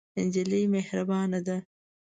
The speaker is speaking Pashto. نجلۍ مهربانه ده.